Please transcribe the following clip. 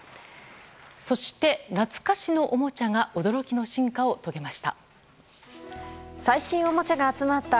そして、懐かしのおもちゃが驚きの進化を遂げました。